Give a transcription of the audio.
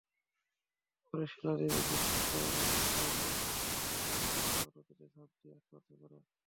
পরে শীলাদেবী মুসলমান দরবেশকে হত্যা করে করতোয়া নদীতে ঝাঁপ দিয়ে আত্মহত্যা করে।